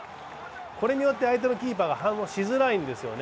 これによって相手のキーパーが反応しづらいんですね。